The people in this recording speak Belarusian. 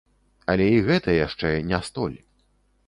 Але і гэта яшчэ не столь.